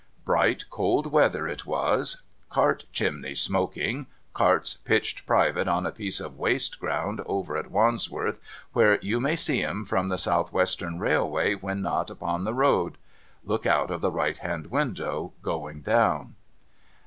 Bright cold weather it was, cart chimneys smoking, carts pitched private on a piece of waste ground over at ^Vandsworth, where you may see 'em from the Sou'western Railway Mhen not upon the road. (Look out of the right hand window going down.)